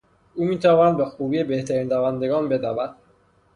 او میتواند به خوبی بهترین دوندگان بدود.